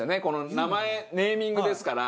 名前ネーミングですから。